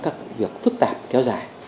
các việc phức tạp kéo dài